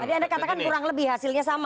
ada yang katakan kurang lebih hasilnya sama